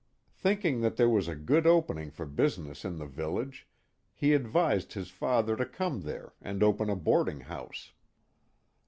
Thinking that there was a good opening for business in the village, he adviseci his father to come there and open a boarding house.